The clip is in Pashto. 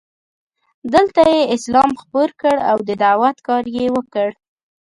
دلته یې اسلام خپور کړ او د دعوت کار یې وکړ.